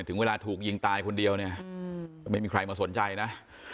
ถึงเวลาถูกยิงตายคนเดียวเนี่ยไม่มีใครมาสนใจนะ